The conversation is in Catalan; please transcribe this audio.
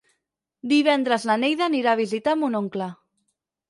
Divendres na Neida anirà a visitar mon oncle.